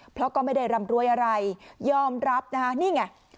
เพราะก็ไม่ได้รำรวยอะไรยอมรับนะคะนี่ไง